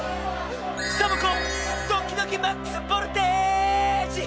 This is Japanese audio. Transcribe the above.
サボ子ドキドキマックスボルテージ！